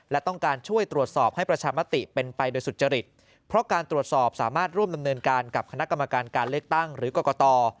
และต้องการช่วยตรวจสอบให้ประชามติเป็นไปโดยสุจริตเพราะการตรวจสอบสามารถร่วมดำเนินการกับคณะกรรมการการเลือกตั้งหรือกรกต